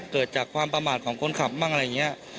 เกิดจากความประมาทของคนขับบ้างอะไรอย่างนี้